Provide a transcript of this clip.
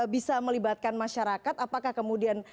bisa melibatkan masyarakat apakah kemudian